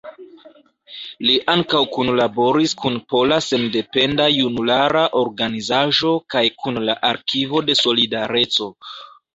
Li ankaŭ kunlaboris kun Pola Sendependa Junulara Organizaĵo kaj kun la Arkivo de Solidareco.